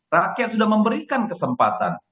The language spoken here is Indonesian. rakyat sudah memberikan kesempatan